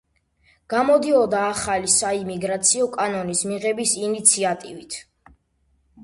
გამოდიოდა ახალი საიმიგრაციო კანონის მიღების ინიციატივით.